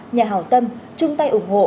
nhà hào tâm chung tay ủng hộ